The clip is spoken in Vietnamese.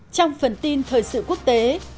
trong phần tin thời sự quốc tế